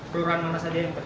pulau mana saja yang berjangkit